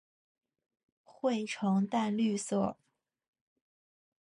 喙呈淡绿色。